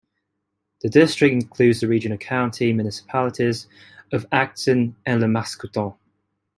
The district includes the Regional County Municipalities of Acton and Les Maskoutains.